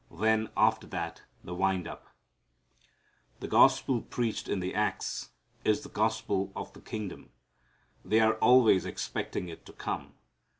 Then after that the wind up. The gospel preached in the Acts is the "gospel of the kingdom." They are always expecting it to come.